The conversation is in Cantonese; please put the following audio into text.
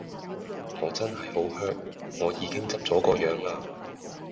我真係好 hurt， 我已經執咗個樣啦!